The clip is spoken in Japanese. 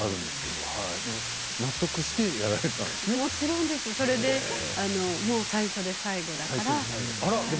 もちろんですし最初で最後だから。